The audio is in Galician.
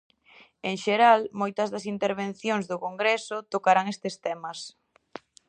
En xeral moitas das intervencións do congreso tocarán estes temas.